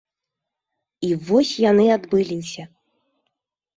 І вось яны адбыліся.